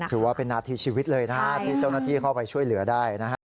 ถือว่าเป็นนาทีชีวิตเลยนะฮะที่เจ้าหน้าที่เข้าไปช่วยเหลือได้นะฮะ